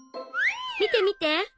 みてみて！